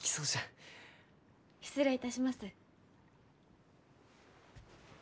失礼いたします。